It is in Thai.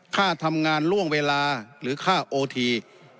ค่าทำงานล่วงเวลาหรือค่าโอที